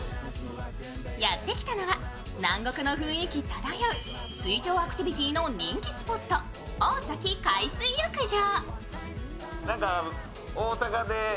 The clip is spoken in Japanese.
やってきたのは、南国の雰囲気漂う水上アクティビティーの人気スポット・大崎海水浴場。